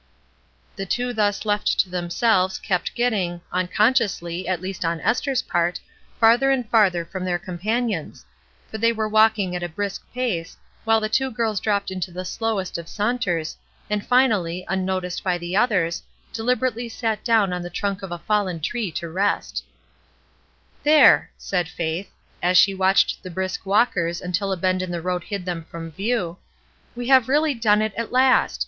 The two thus left to themselves kept getting, unconsciously, at least on Esther's part, farther and farther from their companions; for they were walking at a brisk pace, while the two girls dropped into the slowest of saunters, and finally, unnoticed by the others, dehberately sat down on the trunk of a fallen tree to rest. 140 ESTER RIED'S NAMESAKE "There!'' said Faith, as she watched the brisk walkers until a bend in the road hid them from view, "we have really done it, at last